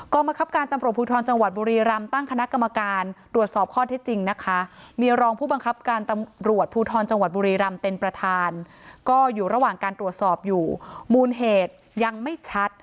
กองบังคับการตำรวจภูทรจังหวัดบุรีรำตั้งคณะกรรมการตรวจสอบข้อที่จริงนะคะ